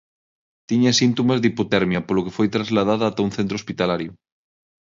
Tiña síntomas de hipotermia polo que foi trasladada ata un centro hospitalario.